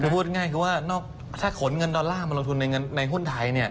คือพูดง่ายคือว่าถ้าขนเงินดอลลาร์มาลงทุนในหุ้นไทย